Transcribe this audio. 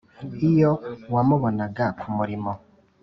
iyo wamubonaga ku murimo